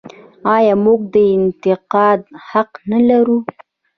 آیا موږ د انتقاد حق نلرو؟